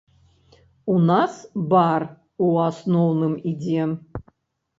У нас бар у асноўным ідзе.